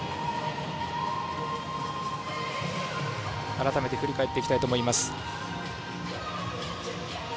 改めて振り返っていきたいと思います。